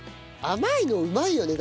甘いのうまいよね